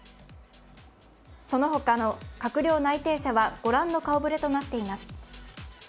そのほかの閣僚内定者は御覧の顔ぶれとなっています。